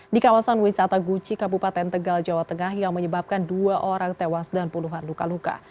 di kawasan wisata guci kabupaten tegal jawa tengah yang menyebabkan dua orang tewas dan puluhan luka luka